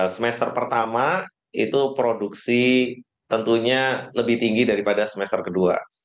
semester pertama itu produksi tentunya lebih tinggi daripada semester kedua